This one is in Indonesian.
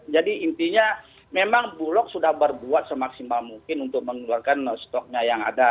jadi intinya memang bulog sudah berbuat semaksimal mungkin untuk mengeluarkan stoknya yang ada